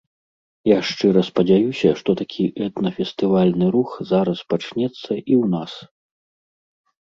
Я шчыра спадзяюся, што такі этна-фестывальны рух зараз пачынаецца і ў нас.